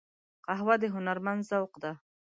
قهوه د هنرمند ذوق وي